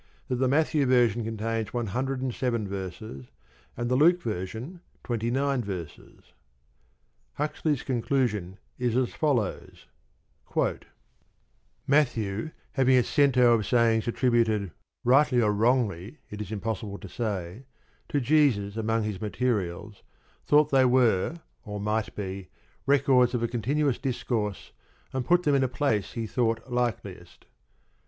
That the Matthew version contains one hundred and seven verses, and the Luke version twenty nine verses. Huxley's conclusion is as follows: "Matthew," having a cento of sayings attributed rightly or wrongly it is impossible to say to Jesus among his materials, thought they were, or might be, records of a continuous discourse and put them in a place he thought likeliest.